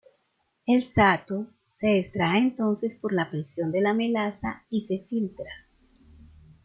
El "sato" se extrae entonces por la presión de la melaza y se filtra.